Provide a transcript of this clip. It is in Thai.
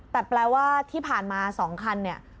แต่แปลว่าที่ผ่านมา๒คันเนี่ย